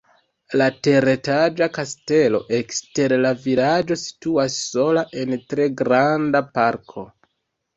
La teretaĝa kastelo ekster la vilaĝo situas sola en tre granda parko.